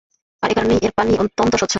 আর এ কারণেই এর পানি অত্যন্ত স্বচ্ছ।